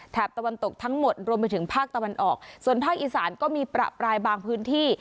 ตะวันตกทั้งหมดรวมไปถึงภาคตะวันออกส่วนภาคอีสานก็มีประปรายบางพื้นที่